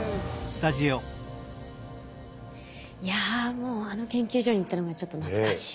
もうあの研究所に行ったのがちょっと懐かしいですね。